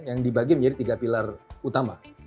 yang dibagi menjadi tiga pilar utama